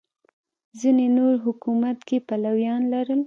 ځینې نور حکومت کې پلویان لرل